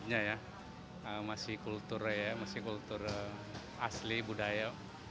dari segi masjidnya ya masih kultur asli budaya